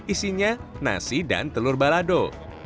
isinya nasi dan telur balado